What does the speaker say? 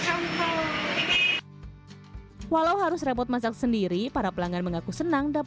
untuk menikmati makanan ala jepang dan korea yang biasa dijual di restoran mewah namun dengan harga yang terjangkau